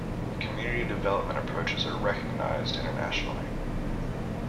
Community development approaches are recognised internationally.